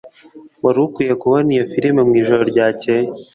Wari ukwiye kubona iyo firime mwijoro ryakeye